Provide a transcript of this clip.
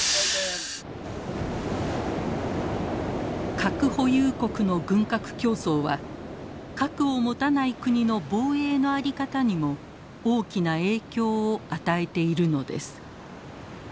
核保有国の軍拡競争は核を持たない国の防衛の在り方にも大きな影響を与えているのです。